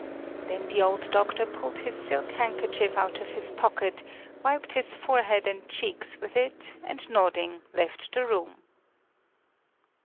Then the old doctor pulled his silk handkerchief out of his pocket, wiped his forehead and cheeks with it and nodding left the room.